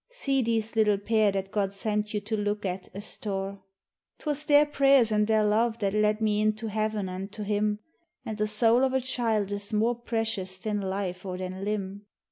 See these little pair that God sent you to look at, asthore. MAURY'S VISION 89 'Twas their prayers an' their love that led me into Heaven an' to Him, An' the sowl of a child is more precious than life or than limb.